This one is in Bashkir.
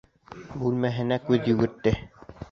Бүлмәһенә күҙ йүгертте.